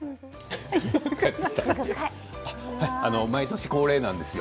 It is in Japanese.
毎年恒例なんですよ。